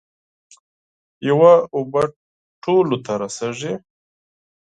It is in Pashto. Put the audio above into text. یوه اوبه ټولو ته رسیږي.